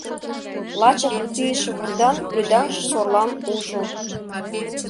Лачак рутийыше вурдан рӱдаҥше сорлам ужо.